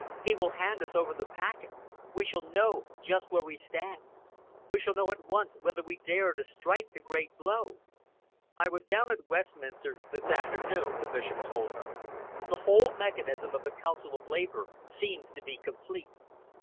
He will hand us over the packet. We shall know just where we stand. We shall know at once whether we dare to strike the great blow." "I was down at Westminster this afternoon," the Bishop told her. "The whole mechanism of the Council of Labour seems to be complete.